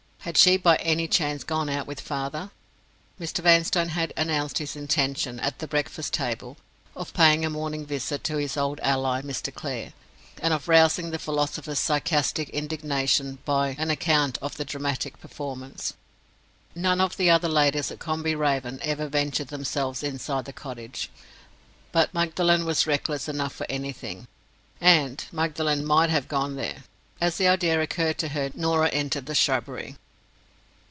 Had she, by any chance, gone out with her father? Mr. Vanstone had announced his intention, at the breakfast table, of paying a morning visit to his old ally, Mr. Clare, and of rousing the philosopher's sarcastic indignation by an account of the dramatic performance. None of the other ladies at Combe Raven ever ventured themselves inside the cottage. But Magdalen was reckless enough for anything—and Magdalen might have gone there. As the idea occurred to her, Norah entered the shrubbery.